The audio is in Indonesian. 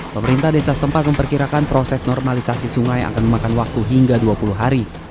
pemerintah desa setempat memperkirakan proses normalisasi sungai akan memakan waktu hingga dua puluh hari